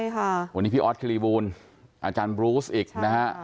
วันนี้พี่ออสคลีวูลอาจารย์บรูซอีกนะนะ